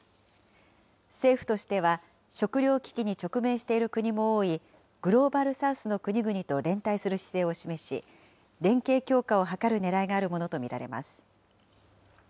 政府としては、食料危機に直面している国も多いグローバル・サウスの国々と連帯する姿勢を示し、連携強化を図るねらいがあるものと見られます。